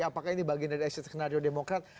apakah ini bagian dari eksis senario demokrat